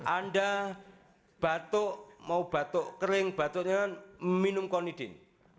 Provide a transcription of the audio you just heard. anda batuk mau batuk kering batuknya minum konidin